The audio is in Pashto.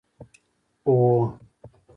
هوه